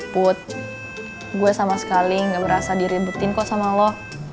put gue sama sekali gak berasa diributin kok sama lo